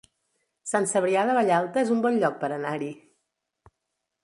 Sant Cebrià de Vallalta es un bon lloc per anar-hi